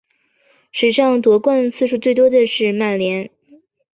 历史上夺冠次数最多的是曼联。